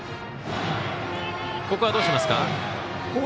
ここはどうしますか。